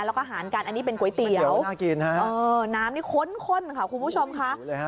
แล้วก็หารกันอันนี้เป็นก๋วยเตี๋ยวน้ำนี่ข้นค่ะคุณผู้ชมค่ะ